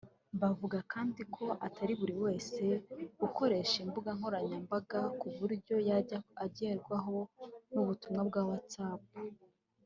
Bavuga kandi ko atari buri wese ukoresha imbuga nkoranyambaga ku buryo yajya agerwaho n’ubutumwa bwa WhatsApp